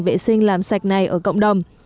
vệ sinh làm sạch này ở cộng đồng